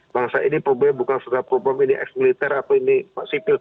bangsa ini problemnya bukan setelah problem ini ex militer atau ini sipil